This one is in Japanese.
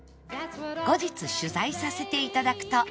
後日取材させて頂くと